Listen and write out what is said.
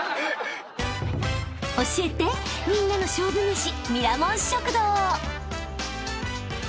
［教えてみんなの勝負めし］